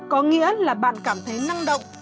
có nghĩa là bạn cảm thấy năng động